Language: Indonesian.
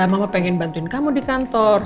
mama pengen bantuin kamu di kantor